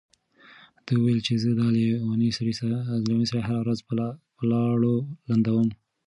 ده وويل چې زه دا لېونی سړی هره ورځ په لاړو لندوم.